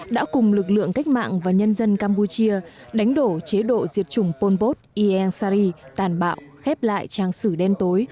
đã cùng lực lượng cách mạng và nhân dân campuchia đánh đổ chế độ diệt chủng pol vot ieng sari tàn bạo khép lại trang sử đen tối